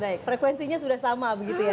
baik frekuensinya sudah sama begitu ya